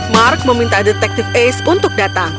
mark meminta detektif ace untuk datang